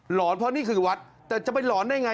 อนเพราะนี่คือวัดแต่จะไปหลอนได้ไง